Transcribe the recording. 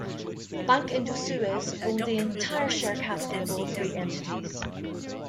Banque Indosuez owned the entire share capital of all three entities.